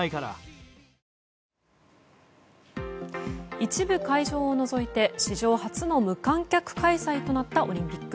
一部会場を除いて史上初の無観客開催となったオリンピック。